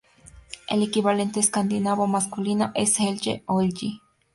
El equivalente escandinavo masculino es Helge, o Helgi.